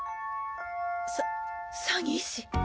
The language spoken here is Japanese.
さ詐欺師！？